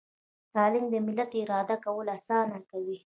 تعلیم د ملت اداره کول اسانه کوي.